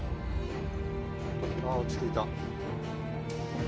落ち着いた。